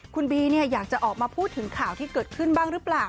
คุณบีอยากจะออกมาพูดถึงข่าวที่เกิดขึ้นบ้างหรือเปล่า